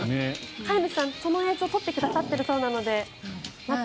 飼い主さん、その映像を撮ってくださっているそうなのでまた